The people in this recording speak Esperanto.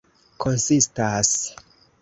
konsistas